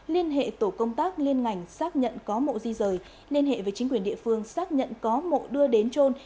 liên hệ tổ công tác liên ngành xác nhận có mộ di rời liên hệ với chính quyền địa phương xác nhận có mộ đưa đến trôn